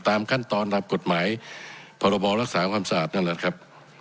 ตามขั้นตอนตามกฎหมายพรบรักษาความสะอาดนั่นแหละครับ